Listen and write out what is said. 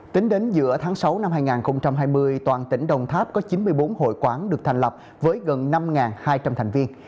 tính đến giữa tháng sáu năm hai nghìn hai mươi toàn tỉnh đồng tháp có chín mươi bốn hội quán được thành lập với gần năm hai trăm linh thành viên